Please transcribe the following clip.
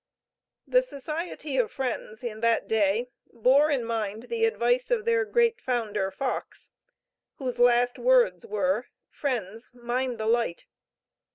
The Society of Friends in that day bore in mind the advice of their great founder, Fox, whose last words were: "Friends, mind the light."